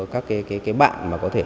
các cái bạn mà có thể